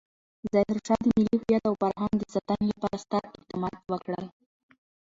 ظاهرشاه د ملي هویت او فرهنګ د ساتنې لپاره ستر اقدامات وکړل.